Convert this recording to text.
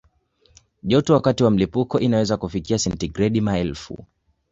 Joto wakati wa mlipuko inaweza kufikia sentigredi maelfu.